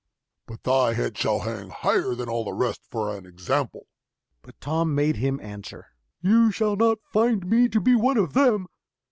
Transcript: But thy head shall hang higher than all the rest for an example!" But Tom made him answer: "You shall not find me to be one of them."